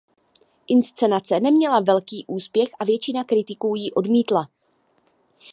Inscenace neměla velký úspěch a většina kritiků ji odmítala.